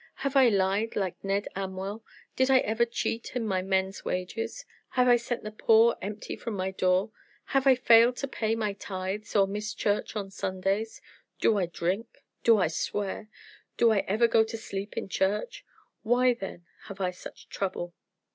Have I lied like Ned Amwell? Did I ever cheat in my men's wages? Have I sent the poor empty from my door? Have I failed to pay my tithes, or missed church on Sundays? Do I drink? Do I swear? Do I ever go to sleep in church? Why, then, have I such trouble?"